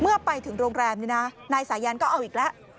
เมื่อไปถึงโรงแรมนี่นะนายสายันก็เอาอีกแล้ว